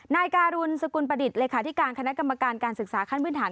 นายการุณสกุลประดิษฐ์เลขาธิการคณะกรรมการการศึกษาขั้นพื้นฐาน